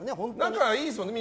仲いいですもんね